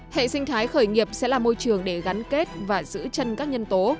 hệ sinh thái khởi nghiệp sẽ là môi trường để gắn kết và giữ chân các nhân tố